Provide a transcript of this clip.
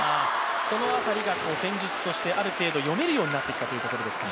その辺りが戦術としてある程度読めるようになってきたということですか。